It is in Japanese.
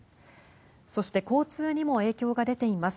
そして交通にも影響が出ています。